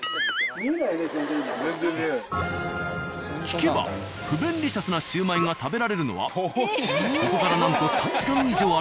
聞けば不便利シャスなシュウマイが食べられるのはここからなんと３時間以上歩いた先にある山小屋。